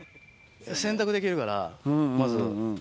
選択できるからまず。